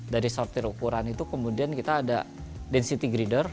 dari sortir ukuran itu kemudian kita ada density grider